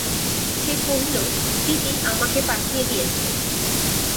সে কহিল, দিদি আমাকে পাঠিয়ে দিয়েছে।